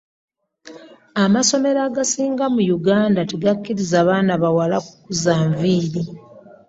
Amasomero agasinga mu Uganda tegakiriza baana bawala ku kuza nviri.